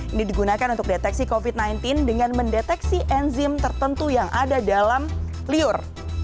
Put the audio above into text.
ini digunakan untuk deteksi covid sembilan belas dengan mendeteksi enzim tertentu yang ada dalam liur